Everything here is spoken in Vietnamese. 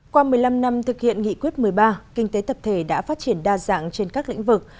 qua một mươi năm năm thực hiện nghị quyết một mươi ba kinh tế tập thể đã phát triển đa dạng trên các lĩnh vực